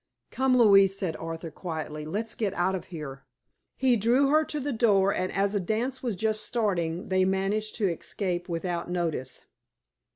"Come, Louise," said Arthur, quietly, "let's get out of here." He drew her to the door and as a dance was just starting they managed to escape without notice.